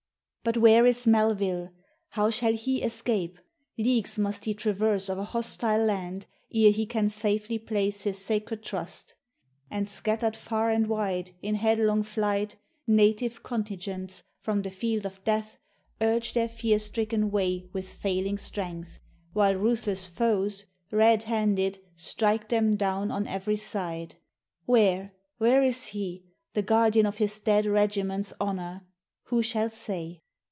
But where is MELVILLE? How shall he escape? Leagues must he traverse of a hostile land Ere he can safely place his sacred trust. And, scattered far and wide in headlong flight, "Native Contingents" from the field of death Urge their fear stricken way with failing strength; While ruthless foes, red handed, strike them down On every side. "Where? where is he? the guardian Of his dead regiment's honour? Who shall say?